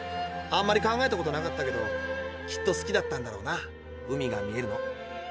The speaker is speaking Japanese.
あんまり考えたことなかったけどきっと好きだったんだろうな海が見えるの。